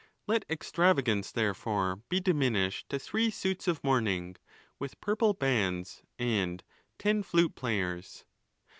Let extravagance, therefore, be diminished to three suits. of mourning, with purple bands, and ten flute players.